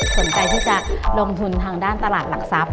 สนใจที่จะลงทุนทางด้านตลาดหลักทรัพย